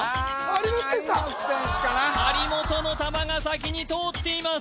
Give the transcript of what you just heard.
張本選手かな張本の球が先に通っています